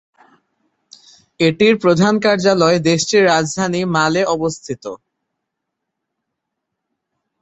এটির প্রধান কার্যালয় দেশটির রাজধানী মালে অবস্থিত।